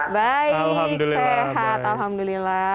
baik sehat alhamdulillah